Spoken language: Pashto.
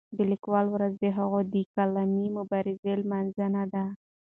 د لیکوالو ورځ د هغوی د قلمي مبارزې لمانځنه ده.